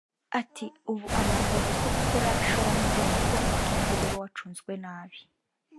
ati ”Ubu abantu babuzwa gukora ishoramari n’uko umutungo uba wacunzwe nabi